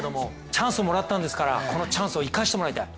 チャンスをもらったんですからこのチャンスを生かしてもらいたい。